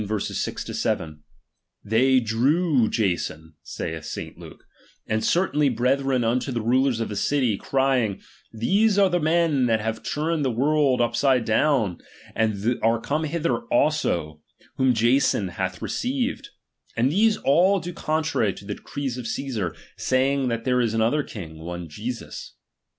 6 7) : They drew Jason, saith St. Luke, and certain brethren unto the rulers of the city, crying, these are the men that have turned the world upside down, and are come hither also, whom Jason hath received ; and these all do contrary to the decrees of C<ssar, saying that there is another Icing, one t/esus.